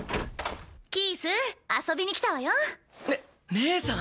キース遊びに来たわよ。ね義姉さん！